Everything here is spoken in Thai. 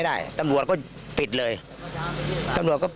กระทั่งตำรวจก็มาด้วยนะคะ